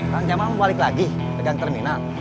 kan zaman mau balik lagi pegang terminal